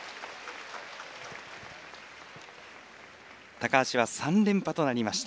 高橋は３連覇となりました。